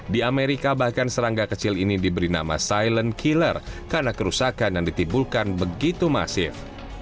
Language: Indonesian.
di amerika bahkan serangga kecil ini diberi nama silent killer karena kerusakan yang ditibulkan begitu masif